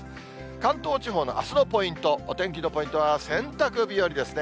関東地方のあすのポイント、お天気のポイントは洗濯日和ですね。